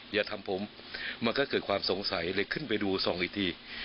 อย่าทำผมมันก็เกิดความสงสัยเลยขึ้นไปดูส่องอีกที